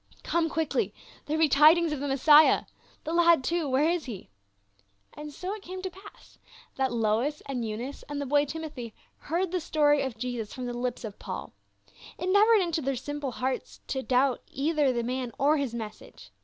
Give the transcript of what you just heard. " Come quickly ; there be tidings of the Messiah ! The lad, too, where is he ?" And so it came to pass that Lois and Eunice and the boy Timothy heard the story of Jesus from the lips of Paul. It never entered into their simple hearts to doubt either the man or his message.